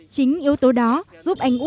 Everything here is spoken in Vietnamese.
chính yếu tố đó giúp anh út